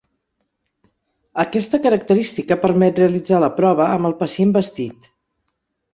Aquesta característica permet realitzar la prova amb el pacient vestit.